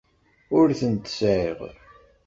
Ur tent-sɛiɣ.